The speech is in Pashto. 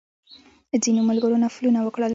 ځینو ملګرو نفلونه وکړل.